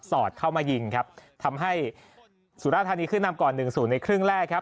อดเข้ามายิงครับทำให้สุราธานีขึ้นนำก่อนหนึ่งศูนย์ในครึ่งแรกครับ